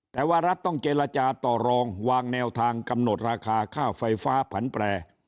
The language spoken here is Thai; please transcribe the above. แต่ว่ารัฐต้องเจรจาต่อรองวางแนวทางกำหนดราคาค่าไฟฟ้าผันแปร